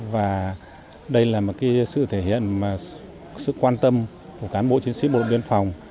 và đây là một sự thể hiện sự quan tâm của cán bộ chiến sĩ bộ đội biên phòng